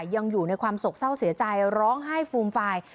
ยังอยู่ในความสกเศร้าเสียใจร้องไห้ฟูมฟาย